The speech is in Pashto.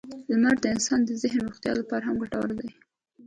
• لمر د انسانانو د ذهني روغتیا لپاره هم ګټور دی.